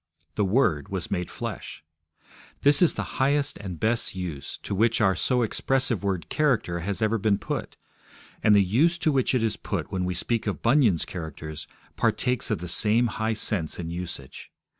The Word was made flesh. This is the highest and best use to which our so expressive word 'character' has ever been put, and the use to which it is put when we speak of Bunyan's Characters partakes of the same high sense and usage.